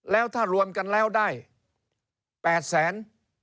แล้วถ้ารวมกันแล้วได้๘แสน